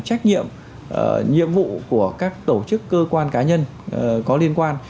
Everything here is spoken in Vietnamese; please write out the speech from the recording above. trách nhiệm nhiệm vụ của các tổ chức cơ quan cá nhân có liên quan